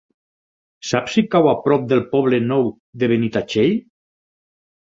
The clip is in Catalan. Saps si cau a prop del Poble Nou de Benitatxell?